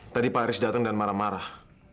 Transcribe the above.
tadi pak aris datang dan marah marah